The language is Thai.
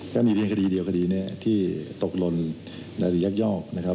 ก็มีเพียงคดีเดียวคดีนี้ที่ตกหล่นหรือยักยอกนะครับ